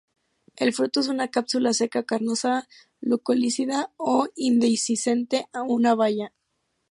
El fruto es una cápsula seca a carnosa, loculicida o indehiscente, o una baya.